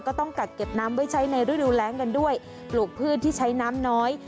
ก็ต้องกักเก็บน้ำไว้ใช้ในฤดูแรงกันด้วยปลูกพืชที่ใช้น้ำน้อย